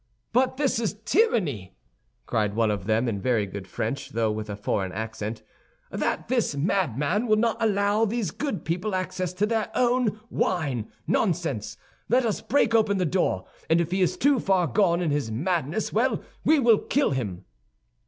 "But this is tyranny!" cried one of them, in very good French, though with a foreign accent, "that this madman will not allow these good people access to their own wine! Nonsense, let us break open the door, and if he is too far gone in his madness, well, we will kill him!"